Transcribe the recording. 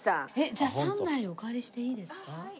じゃあ３台お借りしていいですか？